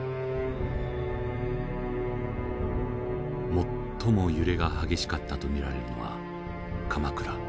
最も揺れが激しかったと見られるのは鎌倉。